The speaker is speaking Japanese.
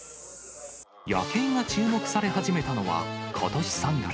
ヤケイが注目され始めたのはことし３月。